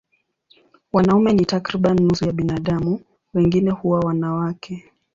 Wanaume ni takriban nusu ya binadamu, wengine huwa wanawake.